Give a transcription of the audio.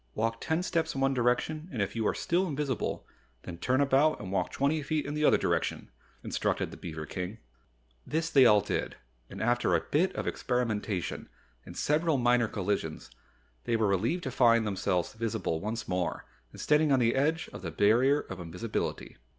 "Walk ten steps in one direction and if you are still invisible, then turn about and walk twenty feet in the other direction," instructed the beaver King. This they all did and after a bit of experimentation and several minor collisions, they were relieved to find themselves visible once more and standing on the edge of the Barrier of Invisibility.